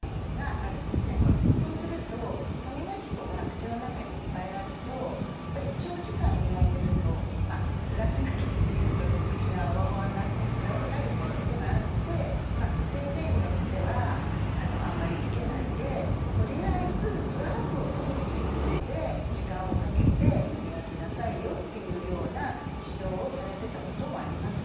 そうすると歯磨き粉が口の中にいっぱいあるとやっぱり長時間磨いてるとつらくなるっていう口が泡々になってつらくなるっていうことがあって先生によってはあんまりつけないでとりあえずプラークを取るっていうことで時間をかけて磨きなさいよっていうような指導をされてたこともあります。